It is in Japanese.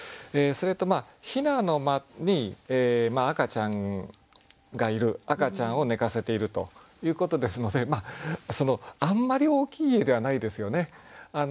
それと「雛の間」に赤ちゃんがいる赤ちゃんを寝かせているということですのであんまり大きい家ではないですよね。